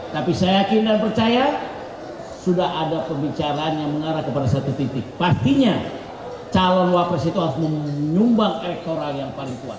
tapi saya yakin dan percaya sudah ada pembicaraan yang mengarah kepada satu titik pastinya calon wapres itu harus menyumbang elektoral yang paling kuat